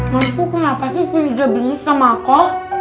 maksudnya kenapa sih firda bingung sama aku